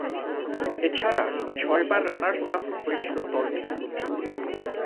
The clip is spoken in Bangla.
এছাড়া, ছয়বার রানার্স-আপ হয়েছিল দলটি।